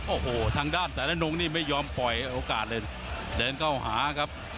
โอ้โหทางด้านแต่ละนงนี่ไม่ยอมปล่อยโอกาสเลยเดินเข้าหาครับ